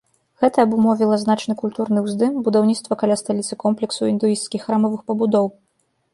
Гэта абумовіла значны культурны ўздым, будаўніцтва каля сталіцы комплексу індуісцкіх храмавых пабудоў.